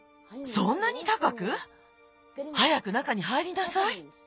そんなにたかく？早く中に入りなさい。